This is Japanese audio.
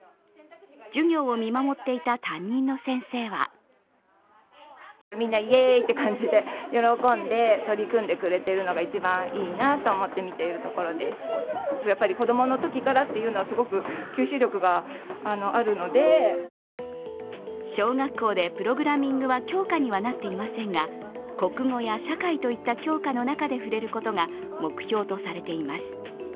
授業を見守っていた担任の先生は小学校でプログラミングは教科にはなっていませんが国語や社会といった教科の中で触れることが目標とされています。